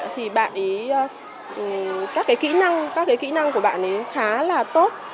thì các kỹ năng của bạn ấy khá là tốt